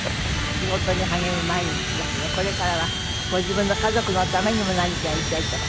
仕事に励む毎日だけどこれからはご自分の家族のためにも何かやりたいと。